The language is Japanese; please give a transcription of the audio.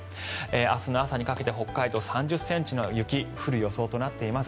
明日の朝にかけて北海道は３０ｃｍの雪が降る予想となっています。